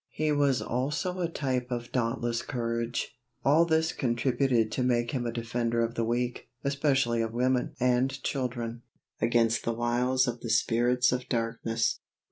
He was also a type of dauntless courage. All this contributed to make him a defender of the weak, especially of women and children, against the wiles of the spirits of darkness.